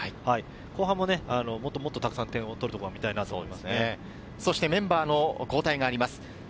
後半も、もっともっと点を取るところ見たいなと思メンバーの交代があります。